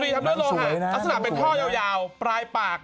พี่หนุ่มก็รู้จัก